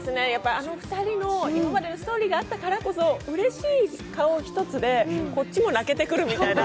あの２人の今までのストーリーがあったからこそ、うれしい顔一つで、こっちも泣けてくるみたいな。